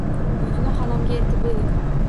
Yukni xonamga eltib bering.